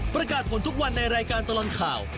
ประกาศผลทุกวันในรายการตลอดข่าว